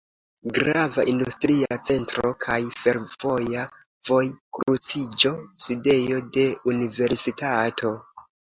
Grava industria centro kaj fervoja vojkruciĝo, sidejo de universitato.